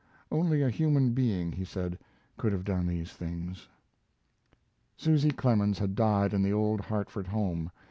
Only a human being, he said, could have done these things. Susy Clemens had died in the old Hartford home.